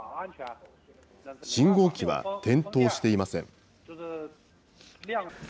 信号機は点灯していません。